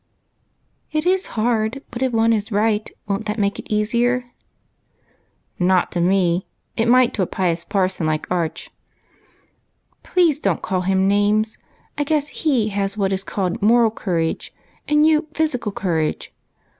" It is hard, but if one is right won't that make it easier ?" "Not to me ; it might to a pious parson like Arch." " Please don't call him names ! I guess he has what is called moral courage, and you physical courage.